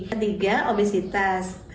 yang ketiga obesitas